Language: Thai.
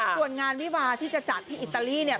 ส่วนงานวิวาที่จะจัดที่อิตาลีเนี่ย